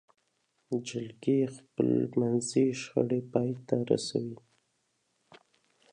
جرګې خپلمنځي شخړې پای ته ورسولې.